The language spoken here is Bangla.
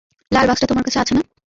লাল বাক্সটা তোমার কাছে আছে না?